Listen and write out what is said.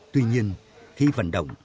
tuy nhiên khi vận động